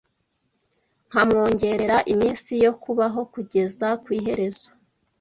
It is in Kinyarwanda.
nkamwongerera iminsi yo kubaho kugeza ku iherezo”